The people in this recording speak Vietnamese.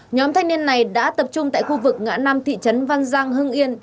nhóm thanh niên này đã tập trung tại khu vực ngã năm thị trấn văn giang hưng yên